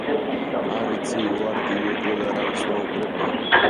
არ იცი, ვარდი უეკლოდ არავის მოუკრებიან!